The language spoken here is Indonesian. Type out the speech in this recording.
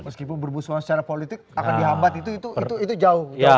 meskipun berbusuhan secara politik akan dihambat itu jauh